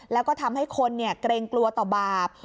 แล้วก็ทำให้คนเกรงกลัวต่อบาป